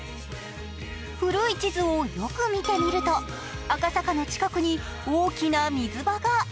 古い地図をよく見てみると、赤坂の近くに大きな水場が。